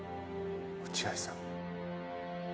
落合さん。